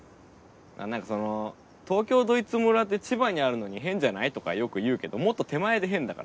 何かその東京ドイツ村って千葉にあるのに変じゃない？とかよく言うけどもっと手前で変だから。